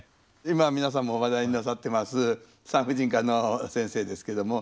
今皆さんも話題になさってます産婦人科の先生ですけども。